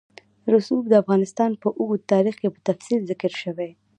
رسوب د افغانستان په اوږده تاریخ کې په تفصیل ذکر شوی.